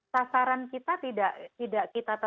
sasaran kita tidak kita tetap